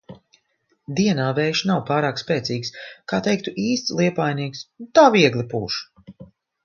Dienā vējš nav pārāk spēcīgs, kā teiktu īsts liepājnieks – tā viegli pūš.